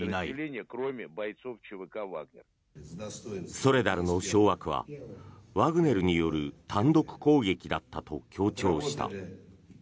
ソレダルの掌握はワグネルによる単独攻撃だったと強調した。